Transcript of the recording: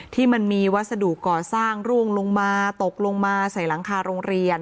ที่มันมีวัสดุก่อสร้างร่วงลงมาตกลงมาใส่หลังคาโรงเรียน